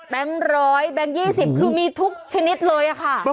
๑๐๐แบงค์๒๐คือมีทุกชนิดเลยค่ะ